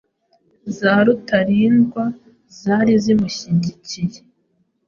za Rutalindwa zari zimushyigikiye